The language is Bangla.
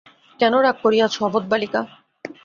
কেন রাগ করিয়াছ অবোধ বালিকা?